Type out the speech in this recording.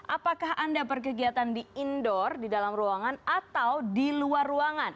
apakah anda berkegiatan di indoor di dalam ruangan atau di luar ruangan